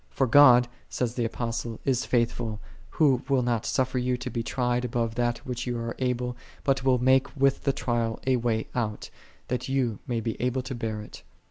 " For God," saith the Apostle, " is faithful, Who will not suffer you to be tried above what ye are able; but will make with the trial a way out, that ye may be able to bear it."